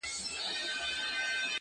هر څوک له بل لرې دي-